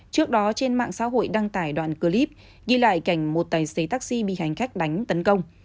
trước đó trên mạng xã hội đăng tải đoạn clip ghi lại cảnh một tài xế taxi bị hành khách đánh tấn công